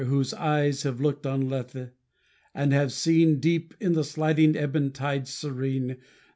Whose eyes have looked on Lethe, and have seen, I Deep in the slidii^ ebon tide serene.